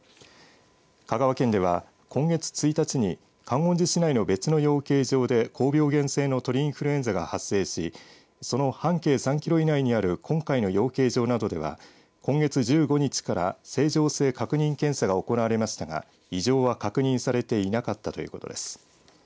香川県では、今月１日に観音寺市内の別の養鶏場で高病原性の鳥インフルエンザが発生しその半径３キロ以内にある今回の養鶏場などでは今月１５日から清浄性確認検査が行われましたが異常は確認されていなかったということです。